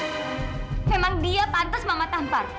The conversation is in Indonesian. memang dia pantas mamat tampar